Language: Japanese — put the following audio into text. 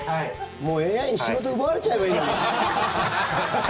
もうＡＩに仕事奪われちゃえばいいのに。